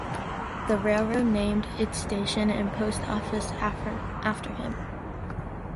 The railroad named its station and post office after him.